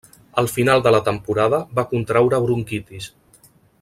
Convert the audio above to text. Al final de la temporada va contraure bronquitis.